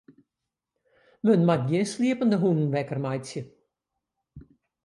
Men moat gjin sliepende hûnen wekker meitsje.